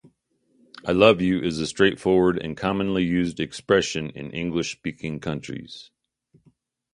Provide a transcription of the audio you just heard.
"I love you" is a straightforward and commonly used expression in English-speaking countries.